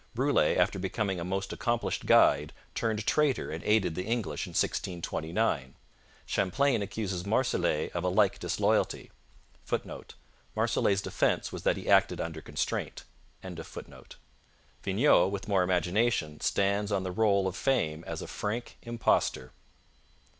Brule, after becoming a most accomplished guide, turned traitor and aided the English in 1629. Champlain accuses Marsolet of a like disloyalty. [Footnote: Marsolet's defence was that he acted under constraint.] Vignau, with more imagination, stands on the roll of fame as a frank impostor.